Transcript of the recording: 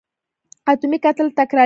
اتومي کتله تکرارېږي.